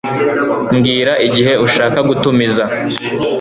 Mbwira igihe ushaka gutumiza